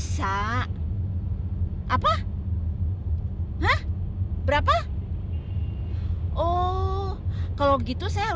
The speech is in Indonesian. saya di rumah